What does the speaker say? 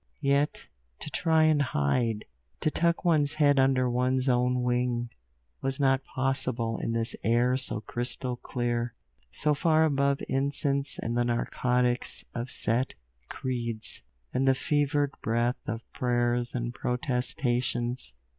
Yet, to try and hide, to tuck one's head under one's own wing, was not possible in this air so crystal clear, so far above incense and the narcotics of set creeds, and the fevered breath of prayers and protestations.